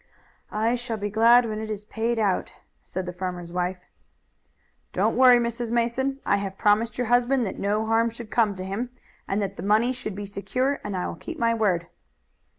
"I shall be glad when it is paid out," said the farmer's wife. "Don't worry, Mrs. Mason. I have promised your husband that no harm should come to him, and that the money should be secure and I will keep my word."